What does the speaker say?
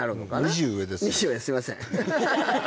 ２０上すいません